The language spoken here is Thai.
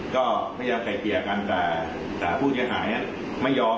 ก็ไม่อยากใส่เจียกันแต่ผู้เจียงหายไม่ยอม